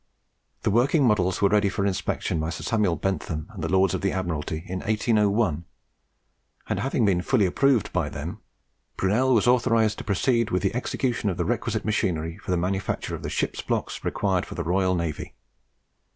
The working models were ready for inspection by Sir Samuel Bentham and the Lords of the Admiralty in 1801, and having been fully approved by them, Brunel was authorized to proceed with the execution of the requisite machinery for the manufacture of the ship's blocks required for the Royal Navy.